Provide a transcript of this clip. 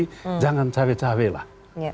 jadi jangan care cawelah